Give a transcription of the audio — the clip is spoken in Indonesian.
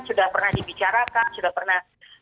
sudah pernah dibicarakan sudah pernah